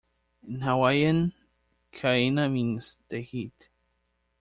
In Hawaiian, "kaena" means 'the heat'.